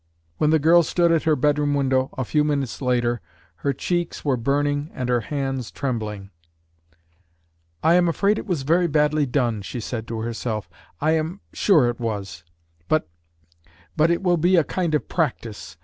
When the girl stood at her bedroom window, a few minutes later, her cheeks were burning and her hands trembling. "I am afraid it was very badly done," she said to herself. "I am sure it was; but but it will be a kind of practice.